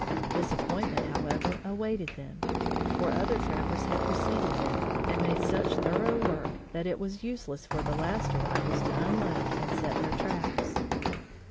Disappointment, however, awaited them, for other trappers had preceded them, and made such thorough work that it was useless for the last arrivals to unload and set their traps.